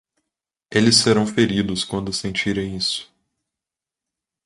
Eles serão feridos quando sentirem isso.